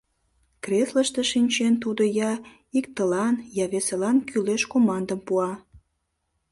Креслыште шинчен, тудо я иктылан, я весылан кӱлеш командым пуа.